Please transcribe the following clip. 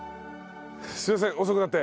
すいません遅くなって。